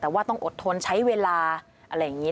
แต่ว่าต้องอดทนใช้เวลาอะไรอย่างนี้